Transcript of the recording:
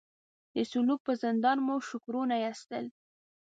د سلواک په زندان مو شکرونه ایستل.